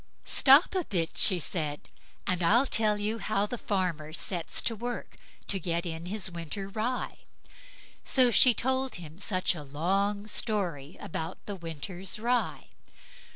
"Stop a bit", she said, "and I'll tell you how the farmer sets to work to get in his winter rye." And so she told him such a long story about the winter rye.